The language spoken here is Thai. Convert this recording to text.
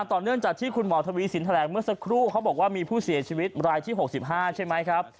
ต่อเนื่องจากที่คุณหมอทวีสินแถลงเมื่อสักครู่เขาบอกว่ามีผู้เสียชีวิตรายที่๖๕ใช่ไหมครับ